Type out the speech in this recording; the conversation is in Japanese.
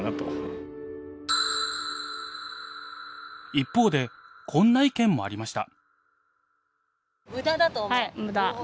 一方でこんな意見もありました。